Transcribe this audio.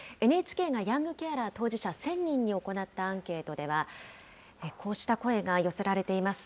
ＮＨＫがヤングケアラー当事者１０００人に行ったアンケートでは、こうした声が寄せられています。